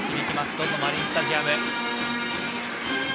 ＺＯＺＯマリンスタジアム。